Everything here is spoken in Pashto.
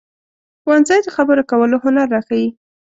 ښوونځی د خبرو کولو هنر راښيي